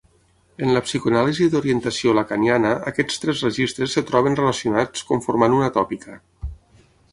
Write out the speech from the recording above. En la psicoanàlisi d'orientació lacaniana aquests tres registres es troben relacionats conformant una tòpica.